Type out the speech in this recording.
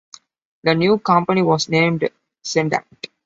The new company was named Cendant.